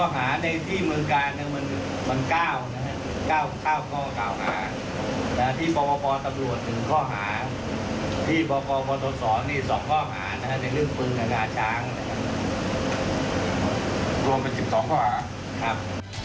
มันก้าวนะครับก้าวก้าวก้าวหาและที่ปกปตบรวจถึงข้อหาที่ปกปตดสอนนี่สองข้อหานะครับในเรื่องภูมิขนาดช้างนะครับรวมเป็นสิบสองข้อหาครับ